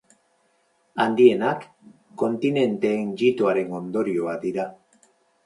Handienak kontinenteen jitoaren ondorioa dira.